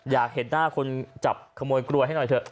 อยากเห็นหน้าคนจับขโมยกลวยให้หน่อยเถอะ